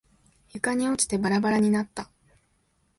床に落ちてバラバラになった。